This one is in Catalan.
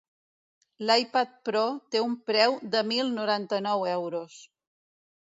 L'iPad Pro té un preu de mil noranta-nou euros.